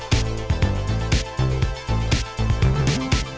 jangan kemana mana tetap bersama kami